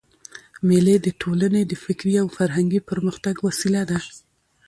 مېلې د ټولني د فکري او فرهنګي پرمختګ وسیله ده.